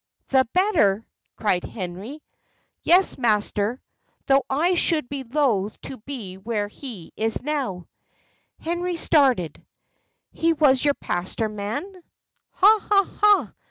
"The better!" cried Henry. "Yes, master; though I should be loth to be where he is now." Henry started "He was your pastor, man!" "Ha! ha! ha!